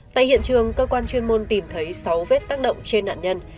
tại hiện trường cơ quan chuyên môn tìm thấy sáu vết tác động trên nạn nhân